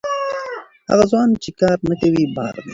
هغه ځوان چې کار نه کوي، بار دی.